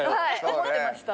思ってました。